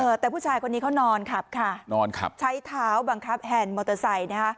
แต่ผู้ชายคนนี้เขานอนขับค่ะนอนขับใช้เท้าบังคับแฮนด์มอเตอร์ไซค์นะคะ